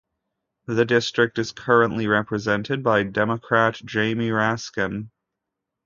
The district is currently represented by Democrat Jamie Raskin.